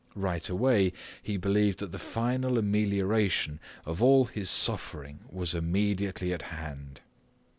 Right away he believed that the final amelioration of all his suffering was immediately at hand.